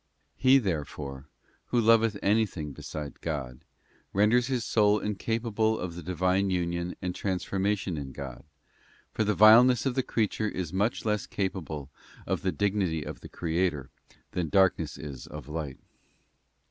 He, therefore, who loveth anything beside God renders his soul incapable of the Divine union and transformation in God, for the vileness of the creature is much less capable of the dignity of the Creator than darkness is of light.